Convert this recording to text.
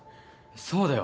そうだよ。